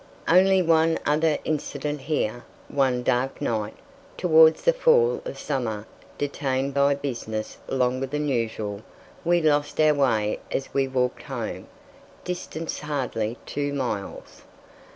Only one other incident here. One dark night, towards the fall of summer, detained by business longer than usual, we lost our way as we walked home, distance hardly two miles.